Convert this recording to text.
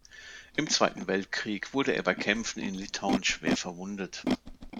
Im Zweiten Weltkrieg wurde er bei Kämpfen in Litauen schwer verwundet.